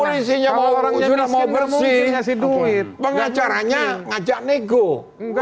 polisinya mau bersih pengacaranya ngajak nego